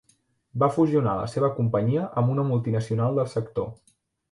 Va fusionar la seva companyia amb una multinacional del sector.